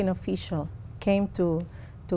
nó đã xảy ra ở đó